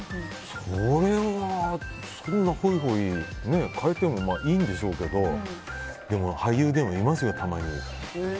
それは、そんなホイホイ変えてもまあ、いいんでしょうけど俳優でもいますよ、たまに。